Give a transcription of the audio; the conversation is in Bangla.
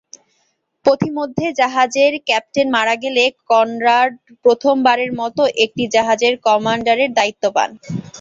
পথিমধ্যে জাহাজের ক্যাপ্টেন মারা গেলে কনরাড প্রথম বারের মত একটি জাহাজের কমান্ডারের দায়িত্ব পান।